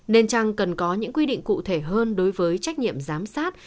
nên chăng cần có những quy định cụ thể hơn đối với trách nhiệm giám sát